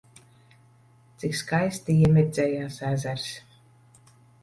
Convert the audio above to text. Cik skaisti iemirdzējās ezers!